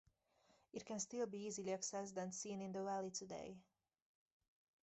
It can still be easily accessed and seen in the valley today.